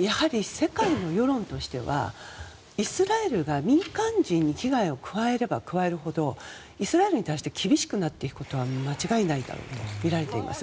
やはり、世界の世論としてはイスラエルが民間人に危害を加えれば加えるほどイスラエルに対して厳しくなっていくことは間違いないだろうとみられています。